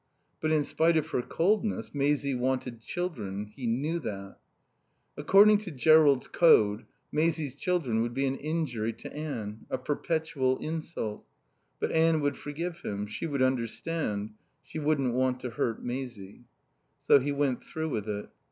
But, in spite of her coldness, Maisie wanted children. He knew that. According to Jerrold's code Maisie's children would be an injury to Anne, a perpetual insult. But Anne would forgive him; she would understand; she wouldn't want to hurt Maisie. So he went through with it.